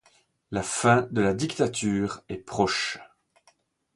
La fin de la dictature est proche.